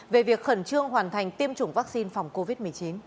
về việc khẩn trương hoàn thành tiêm chủng vaccine phòng covid một mươi chín